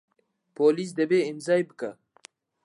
پۆلیس دەبێ ئیمزای بکا.